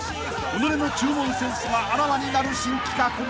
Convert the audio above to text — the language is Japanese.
［己の注文センスがあらわになる新企画も］